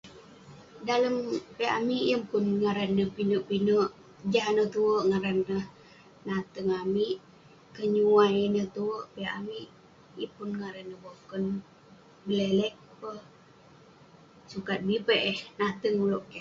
Dalem piak amik yeng pun ngaran neh pinek-pinek. Jah neh tuek ngaran neh nateng amik. Kenyuwai ineh tuek piak amik, yeng pun ngaran neh boken. Beleleq peh sukat bi peh eh nateng uleuk keh.